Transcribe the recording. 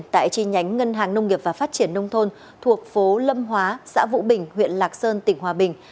tại chi nhánh ngân hàng nông nghiệp và phát triển nông thôn thuộc phố lâm hóa xã vũ bình huyện lạc sơn tỉnh hòa bình